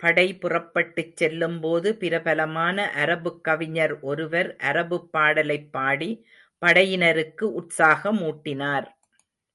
படை புறப்பட்டுச் செல்லும் போது, பிரபலமான அரபுக் கவிஞர் ஒருவர் அரபுப் பாடலைப் பாடி படையினருக்கு உற்சாகமூட்டினார்.